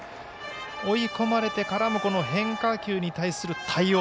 追い込まれてからも変化球に対する対応